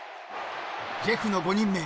［ジェフの５人目。